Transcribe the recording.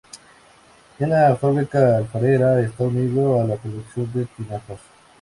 En la fábrica alfarera está unido a la producción de tinajas.